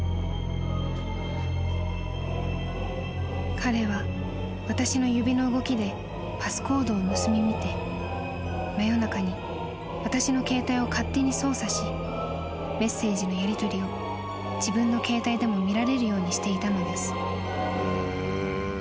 ［彼は私の指の動きでパスコードを盗み見て真夜中に私の携帯を勝手に操作しメッセージのやりとりを自分の携帯でも見られるようにしていたのです］